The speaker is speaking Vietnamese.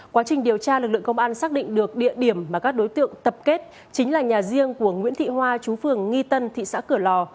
quá trình điều tra lực lượng công an xác định được địa điểm mà các đối tượng tập kết chính là nhà riêng của nguyễn thị hoa chú phường nghi tân thị xã cửa lò